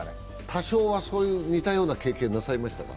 多少はそういう、似たような経験なさいましたか？